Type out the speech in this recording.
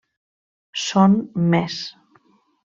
Són més.